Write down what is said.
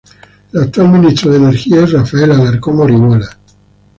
El actual ministro de Energía es Rafael Alarcón Orihuela.